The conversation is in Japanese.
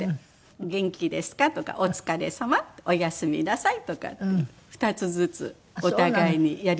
「元気ですか？」とか「お疲れさま」「おやすみなさい」とかって２つずつお互いにやり取りしてます。